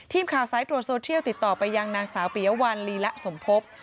ทีมข่าวสายตรวจโซเทียลติดต่อไปยังนางสาวปียวัลลีละสมภพ